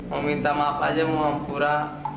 meminta maaf saja mengampura